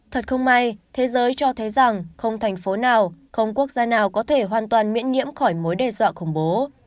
thật không may thế giới cho thấy rằng không thành phố nào không quốc gia nào có thể hoàn toàn miễn nhiễm khỏi mối đe dọa khủng bố